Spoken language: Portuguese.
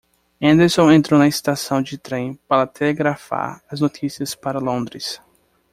Henderson entrou na estação de trem para telegrafar as notícias para Londres.